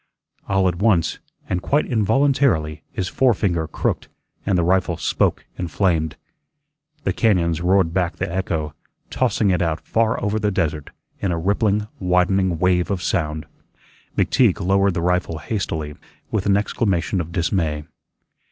All at once, and quite involuntarily, his forefinger crooked, and the rifle spoke and flamed. The cañóns roared back the echo, tossing it out far over the desert in a rippling, widening wave of sound. McTeague lowered the rifle hastily, with an exclamation of dismay.